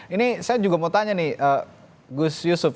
ini saya juga mau tanya nih gus yusuf